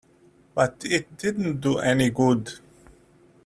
But it didn't do any good?